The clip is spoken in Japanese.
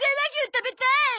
食べたい！